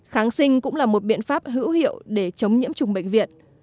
kháng sinh cũng là một biện pháp hữu hiệu để chống nhiễm trùng bệnh viện